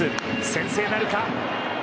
先制なるか。